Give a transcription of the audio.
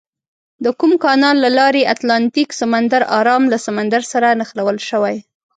د کوم کانال له لارې اتلانتیک سمندر ارام له سمندر سره نښلول شوي؟